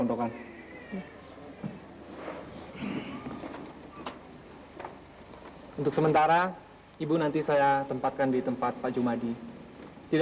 nah antasan seketap ya mang